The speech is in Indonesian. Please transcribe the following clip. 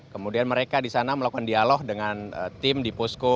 kemudian mereka di sana melakukan dialog dengan tim di posko